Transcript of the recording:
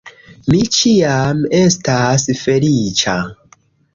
Mi ĉiam estas feliĉa